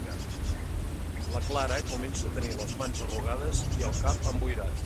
La Clara comença a tenir les mans arrugades i el cap emboirat.